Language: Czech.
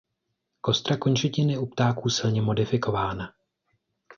Kostra končetin je u ptáků silně modifikována.